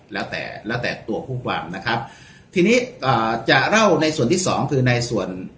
แล้วแต่แล้วแต่ตัวผู้ความนะครับทีนี้อ่าจะเล่าในส่วนที่สองคือในส่วน